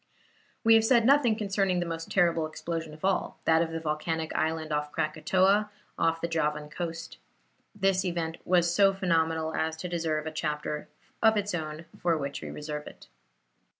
We have said nothing concerning the most terrible explosion of all, that of the volcanic island of Krakatoa, off the Javan coast. This event was so phenomenal as to deserve a chapter of its own, for which we reserve it.